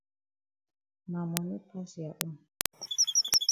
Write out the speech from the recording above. Ma moni pass ya own.